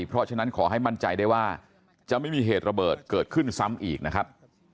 เพราะฉะนั้นขอให้มั่นใจได้ว่าจะไม่มีเหตุระเบิดเกิดขึ้นซ้ำอีกนะครับ